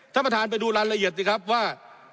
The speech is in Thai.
ท่านประธานไปดูรายละเอียดสิครับว่า